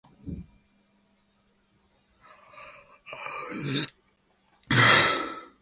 They remove particles from the water column.